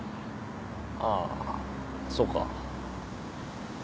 ああそうか。